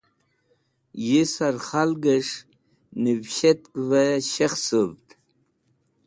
Yisar khalgẽs̃h nivishtkẽvẽ sheksũvd.